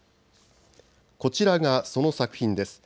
こちらがその作品です。